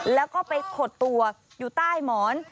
แล้วก็ไปขดตัวอยู่ใต้หมอน